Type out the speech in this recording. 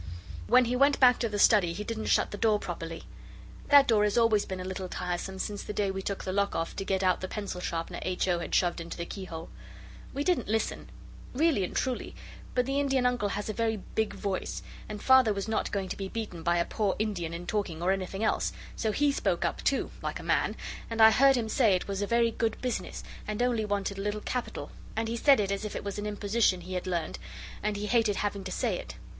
When he went back to the study he didn't shut the door properly. That door has always been a little tiresome since the day we took the lock off to get out the pencil sharpener H. O. had shoved into the keyhole. We didn't listen really and truly but the Indian Uncle has a very big voice, and Father was not going to be beaten by a poor Indian in talking or anything else so he spoke up too, like a man, and I heard him say it was a very good business, and only wanted a little capital and he said it as if it was an imposition he had learned, and he hated having to say it.